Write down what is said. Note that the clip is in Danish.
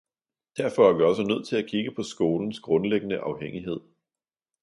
Derfor er vi også nødt til at kigge på skolens grundlæggende afhængighed